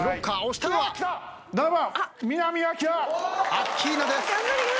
アッキーナです。